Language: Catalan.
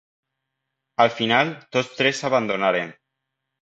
Al final, tots tres abandonaren.